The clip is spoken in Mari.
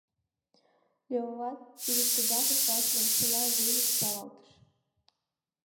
Леоат, тиде тыгакат раш маншыла, вуйжым савалтыш.